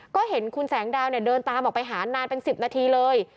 ก็เห็นคุณแสงดาวเนี่ยเดินตามออกไปหานานเป็น๑๐นาทีเลย